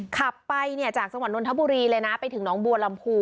ขับไปเนี่ยจากจังหวัดนทบุรีเลยนะไปถึงน้องบัวลำพู